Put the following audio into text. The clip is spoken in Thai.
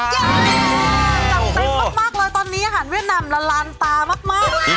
จำเต็มมากเลยตอนนี้อาหารเวียดนามละลานตามาก